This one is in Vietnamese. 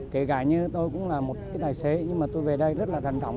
kể cả như tôi cũng là một cái tài xế nhưng mà tôi về đây rất là thành trọng